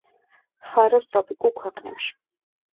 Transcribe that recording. ხარობს ტროპიკულ ქვეყნებში.